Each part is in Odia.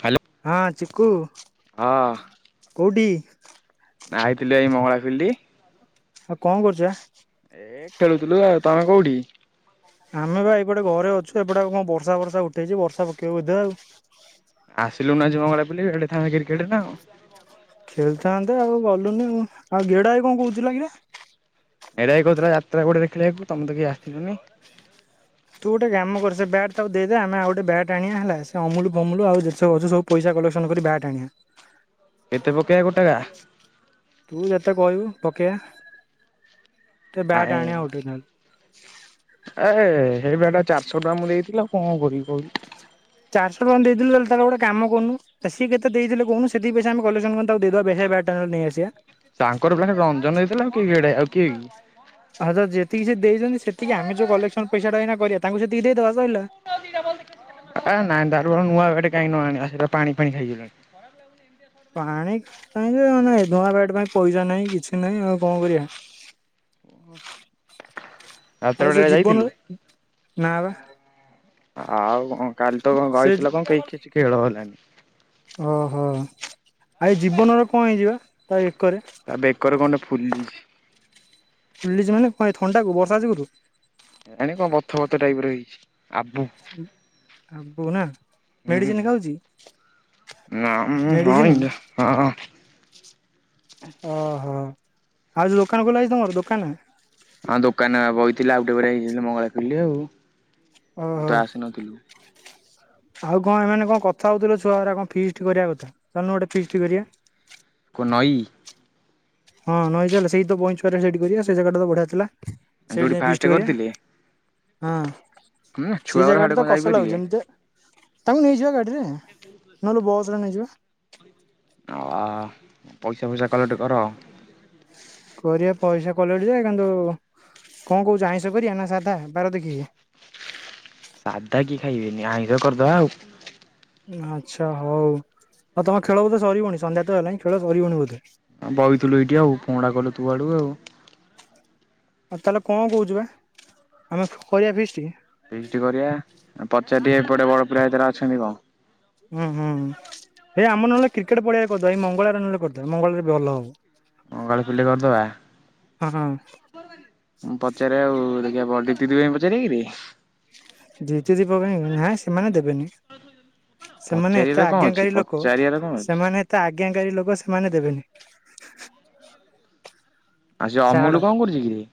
ଖାଲି ହଁ, ଚିକୁ। ହଁ। କୋଉଠି? ଆଇଥିଲି ଏଇ ମଙ୍ଗଳା ଫିଲ୍ଡି। ଆଉ କଣ କରୁଚୁ ବା? ଏ ଖେଳୁଥୁଲୁ ଆଉ। ତୋମେ କୋଉଠି? ଆମେ ବା ଏଇପଟେ ଘରେ ଅଛୁ। ଏପଟେ ଆଉ କଣ ବର୍ଷା ଫର୍ଷା ଉଠେଇଚି ବର୍ଷା ପକେଇବ ବୋଧେ ଆଉ। ଆସିଲୁନୁ ଆଜି ମଙ୍ଗଳା ବୁଲି ଖେଳିଥାନ୍ତେ କ୍ରିକେଟ୍ ନା ଆଉ। ଖେଳିଥାନ୍ତେ ଆଉ ଗଲୁନି ଆଉ। ଆଉ ଗେଡା ଭାଇ କଣ କହୁଥିଲା କିରେ? ଗେଡ଼ାଭାଇ କହୁଥିଲା ଯାତ୍ରା କୋଉଠି ଦେଖିବାକୁ ତୋମେ ତ କେହି ଆସିଲନି। ତୁ ଗୋଟେ କାମ କର ସେ ବ୍ୟାଟ୍ ତାକୁ ଦେଇଦେ। ଆମେ ଆଉ ଗୋଟେ ବ୍ୟାଟ୍ ଆଣିବା ହେଲା। ସେ ଅମୁଲୁ ଫମୁଲୁ ଆଉ ଯେତେ ସବୁ ଅଛ ସବୁ ପଇସା କଲେକ୍ସନ୍ କରି ବ୍ୟାଟ୍ ଆଣିବା। କେତେ ପକେଇବା ଗୋଟାକା? ତୁ ଯେତେ କହିବୁ ପକେଇବା। ଟେ ବ୍ୟାଟ୍ ଆଣିବା ଅର୍ଡିନାଲ୍। ଆ, ହେ ହେଇ ବ୍ୟାଟ୍ ଟା ଚାରଶହ ଟଙ୍କା ମୁଁ ଦେଇଥିଲି ଆଉ କଣ କରିବି କହିଲୁ? ଚାରଶହ ଟଙ୍କା ଦେଇଥିଲୁ ତାହାଲେ ତାଲେ ଗୋଟେ କାମ କରୁନୁ। ତ ସିଏ କେତେ ଦେଇଥିଲେ କହୁନୁ? ସେତିକି ପଇସା ଆମେ କଲେକ୍ସନ୍ କରିକି ତାକୁ ଦେଇଦେବା ବେ ହେ ସେ ବ୍ୟାଟ୍ ଟା ନହେଲେ ନେଇ ଆସିବା। ତାଙ୍କର ପିଲା ସେ ରଞ୍ଜନ ଦେଇଥିଲା ଆଉ କିଏ? ଗେଡାଭାଇ ଆଉ କିଏ କି? ହଉ ତ ଯେତିକି ସେ ଦେଇଚନ୍ତି ସେତିକି ଆମେ ଯୋଉ କଲେକ୍ସନ୍ ପଇସା ଟା ଏଇନା କରିବା ତାଙ୍କୁ ସେତିକି ଦେଇଦବା ସଇଲା। ତୋ ଦିଟା ବଲ୍ ଦେଖାଯିବ। ଏ ନାଇଁ ତାଠୁ ବରଂ ନୂଆ ବ୍ୟାଟ୍ କାଇଁ ନ ଆଣିବା। ସେଟା ପାଣି ଫାଣି ଖାଇଗଲାଣି। ଖରାପ ସେମତି ପାଣି କାଇଁ ଯେ ମାନେ ଏ ନୂଆ ବ୍ୟାଟ୍ ପାଇଁ ପଇସା ନାହିଁ କିଛି ନାହିଁ ଆଉ କଣ କରିବା। ରାତିରେ ଆଉ ସେ ବେଳା ଯିବ ଯାଇଥିଲୁ? ନା? ଆଉ କଣ କାଲି ତ କଣ ସେ ରହିଥିଲ କଣ କେହି କିଛି ଖେଳ ହେଲାନି। ଓହୋ ଆ ଏ ଜୀବନର କଣ ହେଇଚି ବା ତା ବେକରେ? ତା ବେକରେ କଣ ଗୋଟେ ଫୁଲିଚି। ଫୁଲିଚି ମାନେ କଣ ଏ ଥଣ୍ଡାକୁ ବର୍ଷା ଯୋଗୁରୁ? କେୟାଣି କଣ ବଥ ଫଥ ଟାଇପର ହେଇଚି। ଉ ଆ ବୁବୁନା ମେଡିସିନ ଖାଉଚି? ନାଁ ମୁଁ ହଁ ଏନା ହଁ। ଓହୋ ଆଉ ଯୋଉ ଦୋକାନ ଖୋଲା ହେଇଚି ତମର ଦୋକାନ? ଆମ ଦୋକାନରେ ବା ବଇଥିଲି ଆଉ ଟିକେ ପରେ ଏଇ ମଙ୍ଗଳା ଫେରିଲି ଆଉ। ତୁ ଓହୋ। ତ ଆସିନଥିଲୁ ଆଉ କଣ ଏମାନେ କଣ କଥା ହୋଉଥିଲେ ଛୁଆଉରା କଣ ଫିଷ୍ଟ କରିବା କଥା ଚାଲୁନୁ ଗୋଟେ ଫିଷ୍ଟି କରିବା। କଣ ନଈ? ହଁ ନଈ ଚାଲେ ସେଇତ ବଇଁଚ କରିଆ ସେଇଠି କରିବେ ସେଇ ଜାଗାଟା ତ ବଢିଆଥିଲା ସେଇଠି ଯୋଉଠି ଯାଇଁ ଫାଷ୍ଟ ଫିଷ୍ଟ କରିଥିଲେ କରିବା। ହୁଁ ହଁ ସେ ଛୁଆଗୁରା ହାଡେ ଜାଗାଟା ତ କଣ କଷ ଲାଗୁଚି ଯାଇପାରିବେ। ଯେମିତି ତାକୁ ନେଇଯିବା ଗାଡିରେ ନହେଲେ ବସରେ ନେଇଯିବା। ଆ ପଇସା ଫଇସା କଲେକ୍ଟ କର। କରିବା ପଇସା କଲେକ୍ଟ ଯେ କିନ୍ତୁ କଣ କହୁଚୁ ଆଇଁଷ କରିବା ନା ସାଧା ବାର ଦେଖିକି? ସାଧା କିଏ ଖାଇବେନି ଆଇଁଷ କରିଦବା ଆଉ। ଆଚ୍ଛା ହୋଉ ଆଉ ତମ ଖେଳ ବୋଧେ ସରିବଣି ସନ୍ଧ୍ୟା ତ ହେଲାଣିି ଖେଳ ସରିବଣି ବୋଧେ। ଆମେ ବଇଥିଲୁ ଏଇଠି ଆଉ ଫୋନଟା କଲୁ ତୋଆଡୁ ଆଉ। ଆଉ ତାହେଲେ କଣ କୋହୁଚୁ ବା ଆମେ କରିବା ଫିଷ୍ଟ? ଫିଷ୍ଟ କରିବା ଆଉ ପଚାର ଟିକେ ଏପଟେ ବଡ ପିଲା କେତେଟା ଅଛନ୍ତି କଣ? ଉଁ ହୁଁ ହେଇ ଆମର ନହେଲେ କ୍ରିକେଟ ପଡ଼ିଆରେ କରିଦବା ଏଇ ମଙ୍ଗଳବାରେ ନହେଲେ କରିଦବା ମଙ୍ଗଳବାରେ ଭଲ ହବ। ମଙ୍ଗଳବାରେ ପିଲେ କରିଦବା। ହଁ ହଁ ମୁଁ ପଚାରେ ଆଉ ଦେଖିଆ ବଡ ଦିତିଦି ଭାଇଙ୍କୁ ପଚାରିବା କିରେ? ଜିତି ଦିପ ଭାଇ ନା ସେମାନେ ଦେବେନି। ସେମାନେ ଏତେ ପଚାରିବାରେ କଣ ଅଛି ଆଜ୍ଞାକାରୀ ଲୋକ ପଚାରିବାରେ କଣ ଅଛି। ସେମାନେ ଏତେ ଆଜ୍ଞାକାରୀ ଲୋକ ସେମାନେ ଦେବେନି। ଆଉ ସେ ଛାଡ। ଅମୁଲୁ କଣ କରୁଚି କିରେ?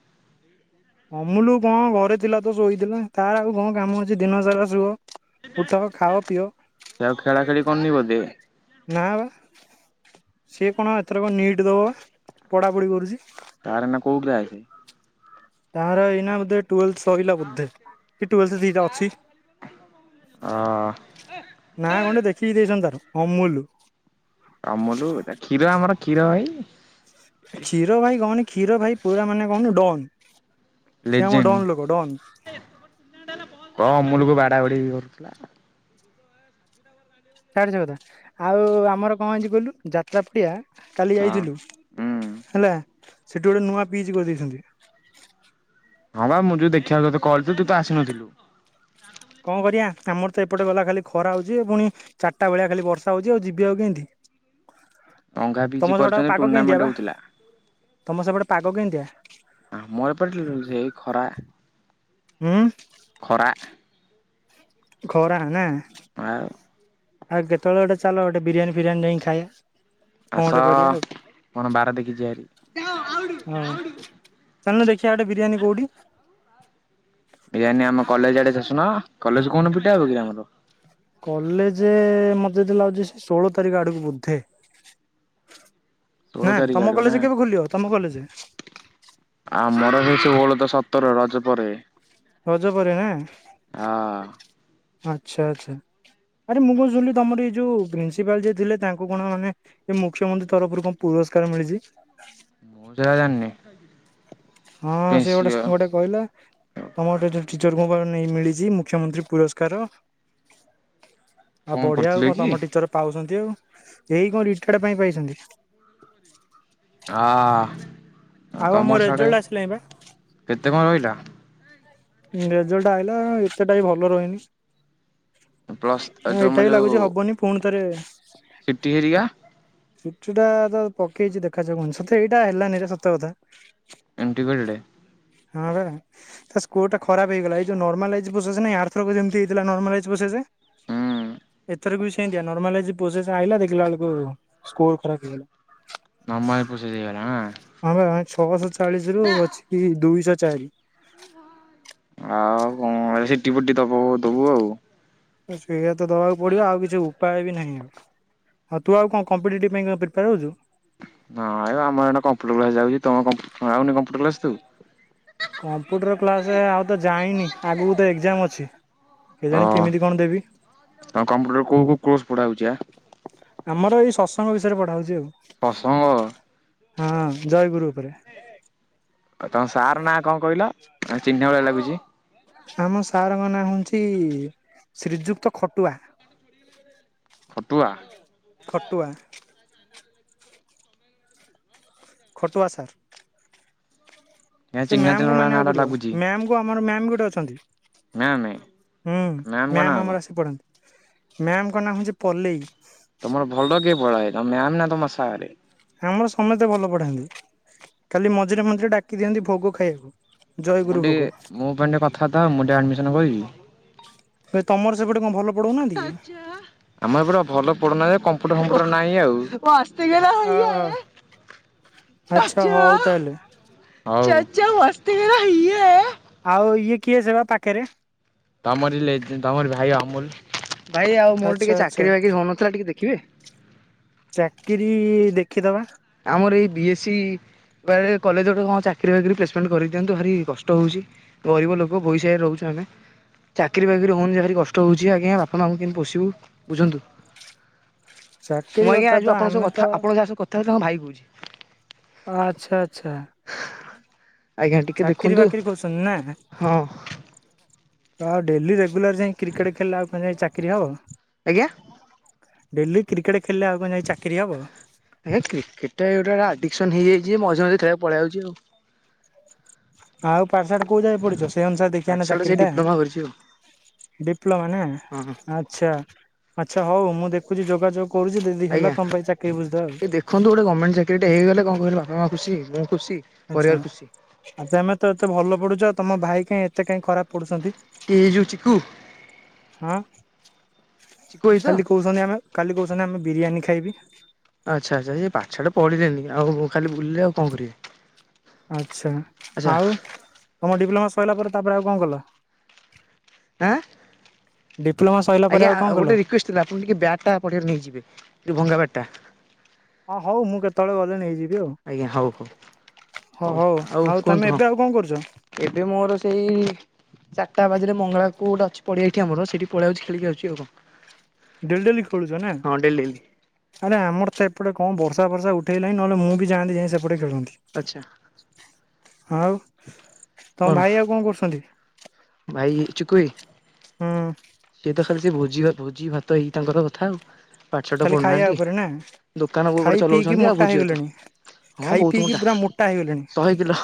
ଅମୁଲୁ କଣ ଘରେ ଥିଲା ତ ଶୋଇଥିଲା ତାର ଆଉ କଣ କାମ ଅଛି ଦିନ ସାରା ଶୁଅ। ଉଠ, ଖାଅ, ପିଅ। ସେ ଆଉ ଖେଳା ଖେଳି କରୁନି ବୋଧେ? ନା ବା ସିଏ କଣ ଏଥରକ ନିଟ୍ ଦବ ପା ପଢ଼ାପଢ଼ି କରୁଚି। ତାର ଏନା କୋଉ କ୍ଲାସେ? ତାର ଏଇନା ବୋଧେ ଟୁଏଲଥ୍ ସଇଲା ବୋଧେ କି ଟୁଏଲଥ୍ ଦିଇଟା ଅଛି। ଅ ନାଁ ଖଣ୍ଡେ ଦେଖିକି ଦେଇଚନ୍ତି ତାର ଅମୁଲୁ। ଅମଲୁ ଏଟା କ୍ଷୀର ଆମର କ୍ଷୀର ଭାଇ। କ୍ଷୀର ଭାଇ କହନି କ୍ଷୀର ଭାଇ ପୁରା ମାନେ କୋହୁନୁ ଡନ୍। ସେ ଆମ ଡନ୍ ଲୋକ ଡନ୍ ଲେଜେଣ୍ଡ କଣ ଅମୁଲକୁ ବାଡାବାଡି ବି କରୁଥିଲା। ଛାଢେ ସେ କଥା ଆଉ ଆମର କଣ ହେଇଚି କହିଲୁ ଯାତ୍ରା ପଡିଆ କାଲି ହଁ ଯାଇଥିଲୁ। ହୁଁ। ହେଲା ସେଠି ଗୋଟେ ନୂଆ ବିଚ କରିଦେଇଛନ୍ତି। ହଁ ପା ମୁଁ ଯୋଉ ଦେଖିବାକୁ ତତେ କହୁଥିଲି ତୁ ତ ଆସିନଥିଲୁ। କଣ କରିବା ଆମର ତ ଏପଟେ ଗଲା ଖାଲି ଖରା ହୋଉଚି ପୁଣି ଚାରିଟା ବେଳିଆ ଖାଲି ବର୍ଷା ହୋଉଚି ଆଉ ଯିବି ଆଉ କେମିତି? ଅଙ୍ଗା ପିଜି ତମ ସେପଟେ ଆଉ କରିଛନ୍ତି ପାଗ ଟୁର୍ଣ୍ଣାମେଣ୍ଟ କେମିତିଆ ବା ହଉଥିଲା ତମ ସେପଟେ ପାଗ କେମିତିଆ? ଆମ ଏପଟେ ସେଇ ଖରା। ହୁଁ? ଖରା। ଖରା ନା। ଆଉ ଆଉ କେତେବେଳେ ଗୋଟେ ଚାଲ, ଗୋଟେ ବିରିୟାନୀ ଫିରିଆନୀ ଯାଇଁକି ଖାଇଆ। ଆସ, କଣ ବାର ଦେଖି ଯିବା ହାରି। ହଉ। ଚାଲୁନ ଦେଖିବା ଗୋଟେ ବିରିୟାନୀ କୋଉଠି? ବିରିୟାନୀ ଆମ କଲେଜ ଆଡେ ଆସୁନ, କଲେଜ କୋଉନ ଫିଟା ହବ କି ଆମର? କଲେଜେ ମତେ ଯେତେ ଲାଗୁଛି, ସେଇ ଷୋଳ ତାରିଖ ଆଡକୁ ବୋଧେ। ଷୋହଳ ନାଁ। ତାରିଖ ତମ ଆଡୁ ନା କଲେଜେ କେବେ ଖୋଲିବ, ତମ କଲେଜେ? ଆମର ସେଇ ଷୋହଳ ତ ସତର, ରଜ ପରେ। ରଜ ପରେ ନାଁ? ହଁ। ଆଚ୍ଛା ଆଚ୍ଛା। ଆରେ ମୁଁ କଣ ଶୁଣିଲି ତମର ଏଇ ଯୋଉ, ପ୍ରିନ୍ସିପାଲ ଯିଏ ଥିଲେ ତାଙ୍କୁ କଣ ମାନେ ଏ ମୁଖ୍ୟମନ୍ତ୍ରୀ ତରଫରୁ କଣ ପୁରସ୍କାର ମିଳିଛି। ମୁଁ ତ ହେରା ଜାଣିନି। ହଁ, ସିଏ ଗୋଟେ ପେନ୍ସିଅ ସାଙ୍ଗଟେ କହିଲା, ତମର ଗୋଟେ ଟି-ଟିଚରଙ୍କୁ ପା ନେଇ ମିଳିଛି, ମୁଖ୍ୟମନ୍ତ୍ରୀ ପୁରସ୍କାର। ଆଛା ଆଉ କଣ ବଢିଆ ଆଉ କରୁଥିଲେ କଣ କି? ତମ ଟିଚର ପାଉଛନ୍ତି ଆଉ। ଏଇ କଣ ରିଟାୟାର୍ଡ ପାଇଁ ପାଇଛନ୍ତି। [unintelligible] ଆ, ଆଉ ଆମ ତମର ସାଡେ, ରେଜଲ୍ଟ ଆସିଲାଣି ବା। କେତେ କଣ ରହିଲା? ରେଜଲ୍ଟ ଆଇଲା, ଏତେଟା ବି ଭଲ ରହିନି। ପ୍ଲସ୍ ନାଁ ତମ ଏଇଟା ବି ଲାଗୁଛି ହବନି, ପୁଣିଥରେ ସି ଟି ହେରିକା ସି ଟିଟା ତ ପକେଇଛି ଦେଖାଯାଉ କଣ ହଉଚି? ସତରେ ଏଇଟା ହେଲାନିରେ ସତ କଥା। [unintelligible] ହଁ [unintelligible] ତା ସ୍କୋଟା ଖରାପ ହେଇଗଲା। ଏଇ ଯୋଉ ନର୍ମାଲାଇଜ୍ ପ୍ରୋସେସ୍ ନାହିଁ, ଆରଥରକ ଯେମତି ହେଇଥିଲା ନର୍ମାଲାଇଜ୍ ପ୍ରୋସେସେ। ହୁଁ। ଏଥେରେ ବି ସେନ୍ତିଆ। ନର୍ମାଲାଇଜ୍ ପୋଜେସ ଆଇଲା, ଦେଖିଲା ବେଳକୁ ସ୍କୋର ଖରାପ ହେଇଗଲା। ନର୍ମାଲ ପ୍ରୋସେସ ହେଇଗଲା ଆଁ? ହଁ ବା, ମାନେ ଛଅଶହ ଚାଳିଶରୁ ଅଛିକି ଦୁଇଶ ଚାରି। ଆଉ କଣ ସି ଟି ଫିଟି ଦବୁ ଦବୁ ଆଉ। ହୁଁ, ସେଇଆ ତ ଦବାକୁ ପଡିବ ଆଉ କିଛି ଉପାୟ ବି ନାହିଁ ଆଉ। ହଁ ତୁ ଆଉ କଣ କମ୍ପିଟେଟିଭ୍ ପାଇଁ କଣ ପ୍ରିପେୟାର ହଉଛୁ? ନାଇଁ ବା ଆମର ଆଡ଼େ କମ୍ପ୍ୟୁଟର କ୍ଲାସ୍ ଯାଉଛି, ତମ କମ୍ପୁ ଆଉନି କମ୍ପ୍ୟୁଟର କ୍ଲାସ୍ ତୁ? କମ୍ପ୍ୟୁଟର କ୍ଲାସ ଆଉ ତ ଯାଇନି, ଆଗକୁ ତ ଏକ୍ଜାମ ଅଛି। ଓ କେଜାଣି କେମିତି କଣ ଦେବି? ତମ କମ୍ପ୍ୟୁଟର କୋଉ କୋଉ କୋର୍ସ ପଢା ହଉଛି ଆ? ଆମର ଏଇ ସତସଙ୍ଗ ବିଷୟରେ ପଢ଼ା ହଉଛି ଆଉ। ପସଙ୍ଗ? ହଁ, ଜୟଗୁରୁ ଉପରେ। ଆଉ ତମ ସାର୍ ନାଁ କଣ କହିଲ? ଆ ଚିହ୍ନିଲା ଭଳିଆ ଲାଗୁଛି। ଆମ ସାରଙ୍କ ନାଁ ହଉଁଛି, ଶ୍ରୀଯୁକ୍ତ ଖଟୁଆ। ଖଟୁଆ? ଖଟୁଆ। ଖଟୁଆ ସାର୍। ଏ ସେ ଚିହ୍ନା ମ୍ୟାମଙ୍କୁ ଚିହ୍ନା ଭଳିଆ ନାଁ ମାନିବାକୁ ଟା ପଡ଼ିବ। ଲାଗୁଛି ମ୍ୟାମଙ୍କୁ ଆମର ମ୍ୟାମ ଗୋଟେ ଅଛନ୍ତି। ମ୍ୟାମ ହୁଁ, ମ୍ୟାମଙ୍କ ନାଁ ମ୍ୟାମ କଣ? ଆମର ଆସି ପଢ଼ାନ୍ତି। ମ୍ୟାମଙ୍କ ନାଁ ହଉଛି ପଲେଇ। ତମର ଭଲ କିଏ ପଢ଼ାଏ, ତମ ମ୍ୟାମ୍ ନା ତମ ସାର୍? ଆମର ସମସ୍ତେ ଭଲ ପଢାନ୍ତି। ଖାଲି ମଝିରେ ମଝିରେ ଡାକି ଦିଅନ୍ତି ଭୋଗ ଖାଇଆକୁ। ମୁଁ ଟିକେ, ମୋ ପାଇଁ ଟିକେ କଥାବାର୍ତ୍ତା ହଅ, ମୁଁ ଟିକେ ଆଡମିସନ୍ କରିବି। ବେ ତମର ସେପଟେ କଣ ଭଲ ପଢଉନାହାନ୍ତି କି ଆମ ଏପଟ ଭଲ ପଢୁନା ଯେ, କମ୍ପ୍ୟୁଟର ଫମ୍ପୁଟର ନାହିଁ ଆଉ। [unintelligible] [inaudible] ଅହ ହଉ ଆଚ୍ଛା ତାହେଲେ ହଉ। ଚାଚା ମସ୍ ମେରା ଇଏ ଆଉ ଇଏ କିଏସ ବା ପାଖରେ ତମର ତମର ଭାଇ ଅମୁଲ ଭାଇ ଆଉ ମୋର ଆଚ୍ଛା ଟିକେ ଆଚ୍ଛା ଚାକିରି ବାକିରି ହଉନଥିଲା ଟିକେ ଦେଖିବେ ଚାକିରି ଦେଖିଦବା। ଆମର ଏଇ ବି ଏ ସି କ କଲେଜ ଗୋଟେ କଣ ଚାକିରି ବାକିରି ପ୍ଲେସମେଣ୍ଟ କରିଦିଅନ୍ତୁ ଭାରି କଷ୍ଟ ହଉଛି। ଗରିବ ଲୋକ ବହିସରେ ରହୁଛୁ ଆମେ। ଚାକିରି ବାକିରି ହଉନି ଭାରି କଷ୍ଟ ହଉଛି ଆଜ୍ଞା ବାପା ଆମ କେମିତି ପୋଶିବୁ ବୁଝନ୍ତୁ। [inaudible] ମୁଁ ଆଜ୍ଞା କଥା ତ ଆ ଆପଣଙ୍କ ସ ଆମେ ତ କଥା ଆପଣଙ୍କ ଯାହା ସ କଥା ହେଉ ଥିଲେ ତାଙ୍କ ଭାଇ କହୁଛି। ଆଚ୍ଛା ଆଚ୍ଛା। ଆଜ୍ଞା ଟିକେ ଚାକିରୀ ଦେଖନ୍ତୁ ବାକିରି କରୁଛନ୍ତି ନା? ହଁ ତ ଡେଲି ରେଗୁଲାର ଯାଇ କ୍ରିକେଟ ଖେଳିଲେ ଆଉ କଣ ଯାଇ ଚାକିରି ହବ? ଆଜ୍ଞା। ଡେଲି କ୍ରିକେଟ ଖେିଲିଲେ ଆଉ କଣ ଯାଇ ଚାକିରି ହେବ? ଆଜ୍ଞ। କ୍ରିକେଟା ଗୋଟେ ଆଡିକସ ହେଇଯାଇଛି ମଝିରେ ମଝିରେ ଖେଳି ଆକୁ ପଳେଇ ଆଉଛି ଆଉ। ଆଉ ପାଠଶାଠ କୋଉ ଯାଇ ପଢ଼ିଛ ସେ ଅନୁସାରେ ପାଠ ଦେଖିବାଆ ନା ଶାଠ ସେଇ ଚାକିରିଟା। ଡିପ୍ଲୋମା କରିଛି ଆଉ ହଁ ଡିପ୍ଲୋମା ନା ହଁ ଆଚ୍ଛା। ଆଚ୍ଛା ହଉ ମୁଁ ଦେଖୁଛି ଯୋଗାଯୋଗ କରୁଛି ଯଦି ହେଲା ଆଜ୍ଞା ତମ ପାଇଁ ଚାକିରି ବୁଝି ଦେବା ଟିକେ ଆଉ। ଦେଖନ୍ତୁ ଗୋଟେ ଗମେଣ୍ଟ ଚାକିରିଟେ ହେଇଗଲେ କଣ କହିଲ ବାପା ମା ଖୁସି ମୁଁ ଖୁସି ପରିବାର ଖୁସି। ଆଚ୍ଛା ତମେ ତ ଏତେ ଭଲ ପଢ଼ୁଛ ତମ ଭାଇ କାଇଁ ଏତେ କାହିଁ ଖରାପ ପଡୁଛନ୍ତି କି ଏଇ ଯୋଉ ଚିକୁ ହଁ ଚିକୁ ଭାଇ ତ ଖାଲି କହୁଛନ୍ତି ଆମେ କାଲି କହୁଛନ୍ତି ଆମେ ବିରିୟାନୀ ଖାଇବି ଆଚ୍ଛା ଆଚ୍ଛା ସେଇ ପାଠଶାଠ ପଢିଲେଣିି ଆଉ ଖାଲି ବୁଲିଲେ ଆଉ କଣ କରିବେ ଆଚ୍ଛା ଆଚ୍ଛା ଆଉ ତମ ଡିପ୍ଲୋମା ସରିଲା ପରେ ତାପରେ ଆଉ କଣ କଲ? ଆଁ ଡିପ୍ଲୋମା ସରିଲା ଆଜ୍ଞା ପରେ ଆଉ କଣ ଗୋଟେ କଲ? ରିକ୍ୱେଷ୍ଟ ଆପଣ ଟିକେ ବ୍ୟାଟ ଟା ପଡ଼ିଆରେ ନେଇଯିବେ ଯୋଉ ଭଙ୍ଗା ବ୍ୟାଟ ଟା। ହଁ ହଉ ମୁଁ କେତେବେଳେ ଗଲେ ନେଇଯିବି ଆଉ। ଆଜ୍ଞା ହଉ ହଉ ହଁ ହଉ ଆଉ ତମେ କୁହନ୍ତୁ ଏବେ କଣ? ଆଉ କରୁଛ? ଏବେ ମୋର ସେଇ ଚାରିଟା ବାଜିଲେ ମଙ୍ଗଳା କୁ ଗୋଟେ ଅଛି ପଡିଆ ଏଠି ଆମର ସେଠି ପଳେଇ ଆଉଚି ଖେଳି କି ଆସୁଛି ଆଉ କଣ? ଡେଲ ଡେଲି ଖେଳୁଛ ନା? ହଁ ଡେଲି ଡେଲି। ଆରେ ଆମର ତ ଏପଟେ କଣ ବର୍ଷା ବର୍ଷା ଉଠେଇଲାଣିି ନହେଲେ ମୁଁ ବି ଯାଆନ୍ତି ଯାଇଁ ସେପଟେ ଖେଳନ୍ତି। ଆଚ୍ଛା। ଆଉ ତମ ଭାଇ ଆଉ କଣ କରୁଛନ୍ତି? ଭାଇ ଚିକୁ ଭାଇ ହଁ। ସିଏ ତ ଖାଲି ସେ ଭୋଜି ଭୋଜି ଭାତ ହେଇ ତାଙ୍କର କଥା ଆଉ। ପାଠ ସାଠ ଖାଲି ଖାଇବା ପଢ଼ୁନାହାନ୍ତି ଉପରେ ନା? ଦୋକାନ କଉ ଖାଇ ଗୋଟେ ପିଇକି ଚଲଉଛନ୍ତି ଆଉ ମୋଟା ଭୋଜି ଭାତ। ହେଇଗଲେଣି। ହଁ ଖାଇ ବହୁତ ପିଇକି ମୋଟା ପୁରା ହେଇଗଲେଣି। ଶହେ କିଲୋ।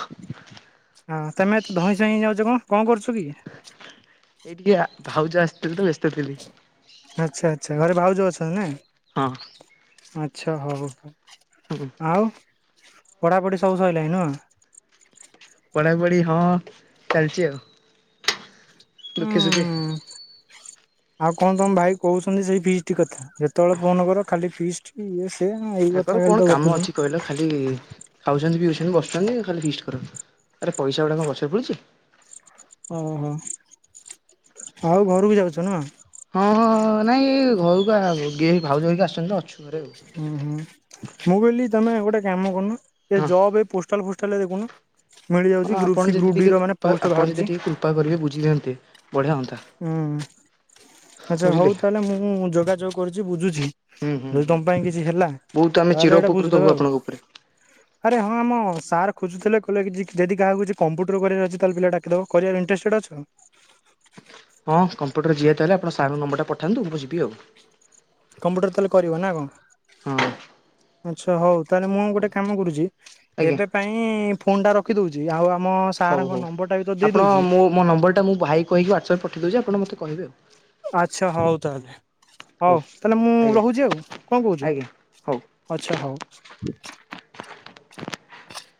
ହଁ ତମେ ଏତେ ଧଇଁ ସଇଁ ହେଇ ଯାଉଛ କଣ କଣ କରୁଛ କି? ଏଇଟିକେ ଭାଉଜ ଆସିଥିଲେ ତ ବ୍ୟସ୍ତ ଥିଲି। ଆଚ୍ଛା ଆଚ୍ଛା ଘରେ ଭାଉଜ ଅଛନ୍ତି ନା? ହଁ। ଆଚ୍ଛା ହଉ। ହୁଁଁ। ଆଉ ପଢ଼ାପଢ଼ି ସବୁ ସରିଲାଣି ନୁହ? ପଢା ପଢି ହଁ ଚାଲିଛି ଆଉ ଦୁଃଖେ ସୁଖେ। ଉଁ ଆଉ କଣ ତମ ଭାଇ କହୁଛନ୍ତି ସେଇ ଫିଷ୍ଟ କଥା ଯେତେବେଳେ ଫୋନ କର ଖାଲି ଫିଷ୍ଟ୍ ଇଏ ସିଏ ନା ଏଇ କଥା ଖାଲି ତ ଗପୁଛନ୍ତି। ହୁଁ। ଖାଉଛନ୍ତି ପିଉଛନ୍ତି ବସୁଛନ୍ତି ଖାଲି ଫିଷ୍ଟ କର ଆରେ ପଇସା ଗୁଡା କଣ ଗଛରେ ଫଳିଛି। ଓହୋ ଆଉ ଘରକୁ ଯାଉଛ ନୁହ। ହଁ ହଁ ନାଇଁ ଘରକୁ ଗେ ଏଇ ଭାଉଜ ହେରୀକା ଆସିଛନ୍ତି ତ ଅଛୁ ଘରେ ଆଉ। ହୁଁ ହୁଁ ମୁଁ କହିଲି ତମେ ଗୋଟେ କାମ କରୁନ ଏ ହଁ ଜବ୍ ଏ ପୋଷ୍ଟାଲ ଫୋଷ୍ଟାଲରେ ଦେଖୁନ। ହଁ ମିଳିଯାଉଛି ଗ୍ରୁପ ଆପଣ ସି ଯଦି ଗ୍ରୁପ ଟିକେ ଡି ର ମାନେ କୃପା ପୋଷ୍ଟ ଆପଣ ଯଦି ବାହାରୁଛି। ଟିକେ କୃପା କରିକି ବୁଝି ଦିଅନ୍ତେ ବଢିଆ ହୁଅନ୍ତା। ହୁଁ ଆଛା ବୁଝିଲେ। ହଉ ତାହେଲେ ମୁଁ ଯୋଗାଯୋଗ କରୁଛି ବୁଝୁଛି। ହୁଁ ହୁଁ ଯଦି ହୁଁ। ତମ ପାଇଁ କିଛି ହେଲା ବହୁତ ଆମେ ଚିର ତାହେଲେ ଏଇଟା ଉପକୃତ ହବୁ ବୁଝିଦବା ଆଉ। ଆପଣଙ୍କ ଉପରେ। ଆରେ ହଁ ଆମ ସାର୍ ଖୋଜୁଥିଲେ କହିଲେ କି ଯଦି କାହାକୁ କିଛି କମ୍ପୁଟର କରିବାର ଇଚ୍ଛା ଅଛି ତାହେଲେ ପିଲା ଡାକିଦେବ କରିବାରେ ଇଣ୍ଟର୍ସେଡ ଅଛ। ହଁ କମ୍ପ୍ୟୁଟର ଯିବା ତାହେଲେ ଆପଣ ସାରଙ୍କ ନମ୍ବରଟା ପଠାନ୍ତୁ ମୁଁ ଯିବି ଆଉ। କମ୍ପ୍ୟୁଟର ତାହେଲେ କରିବ ନା ହଁ କଣ ଆଚ୍ଛା ହଉ। ତାହେଲେ ମୁଁ ଗୋଟେ କାମ କରୁଛି ଆଜ୍ଞା ଏବେ ପାଇଁ ଫୋନ ଟା ରଖି ଦଉଛି ଆଉ ଆମ ହଉ ସାର୍ ଙ୍କ ହଉ। ନମ୍ବରଟା ବି ତୋତେ ଆପଣ ଦେଇଦଉଛି। ମୋ ମୋ ନମ୍ବର ଟା ମୁ ଭାଇ କୁ କହିକି ୱାଟସାପ ରେ ପଠେଇ ଦଉଚି ଆପଣ ମତେ କହିବେ ଆଉ। ଆଚ୍ଛା ହଉ ତାହେଲେ ହଉ ତାହେଲେ ମୁଁ ଆଜ୍ଞା ରହୁଛି ଆଉ କଣ କହୁଛୁ। ଆଜ୍ଞା ହଉ। ଆଛା ହଉ।